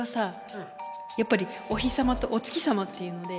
やっぱりお日様とお月様っていうので。